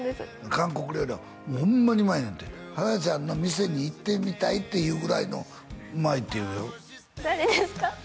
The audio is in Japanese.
韓国料理はホンマにうまいねんて花ちゃんの店に行ってみたいっていうぐらいのうまいっていうよ誰ですか？